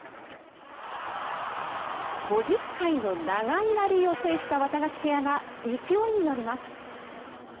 ５０回の長いラリーを制したワタガシペアが勢いに乗ります。